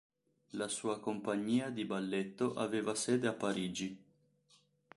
La sua compagnia di balletto aveva sede a Parigi.